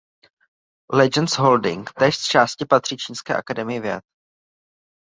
Legend Holdings též z části patří Čínské akademii věd.